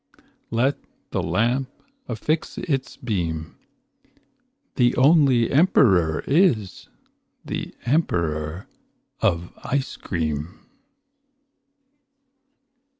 Let the lamp affix its beam. The only emperor is the emperor of ice cream.